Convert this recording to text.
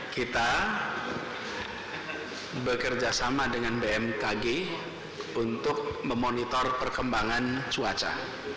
kita bekerjasama dengan bmkg untuk memonitor perkembangan cuaca